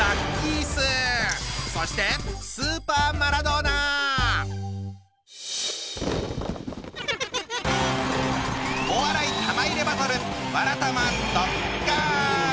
そしてお笑い玉入れバトル